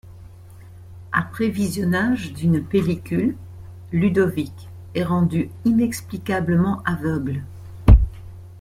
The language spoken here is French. Après visionnage d'une pellicule, Ludovic est rendu inexplicablement aveugle.